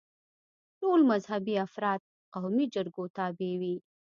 ټول مذهبي افراد قومي جرګو تابع وي.